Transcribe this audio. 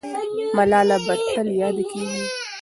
ملاله به تل یاده کېږي.